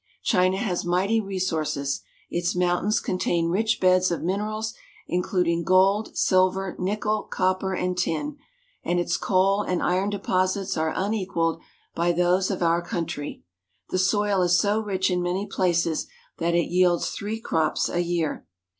China has mighty resources. Its mountains contain rich beds of minerals, including gold, silver, nickel, copper, and tin ; and its coal and iron deposits are un equaled by those of our country. The soil is so rich in many places that it yields three crops a year.